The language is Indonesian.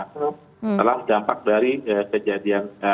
setelah dampak dari kejadian